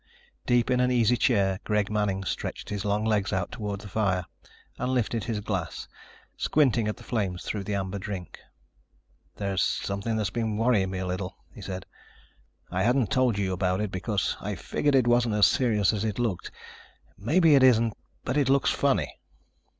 Deep in an easy chair, Greg Manning stretched his long legs out toward the fire and lifted his glass, squinting at the flames through the amber drink. "There's something that's been worrying me a little," he said. "I hadn't told you about it because I figured it wasn't as serious as it looked. Maybe it isn't, but it looks funny."